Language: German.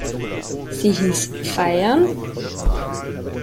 Sie hieß "Feiern?